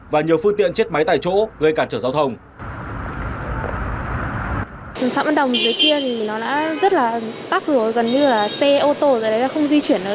và nhiều phương tiện chết máy tại chỗ gây cản trở giao thông